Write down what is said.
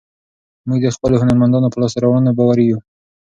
موږ د خپلو هنرمندانو په لاسته راوړنو باوري یو.